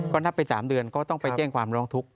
ก็นับไป๓เดือนก็ต้องไปแจ้งความร้องทุกข์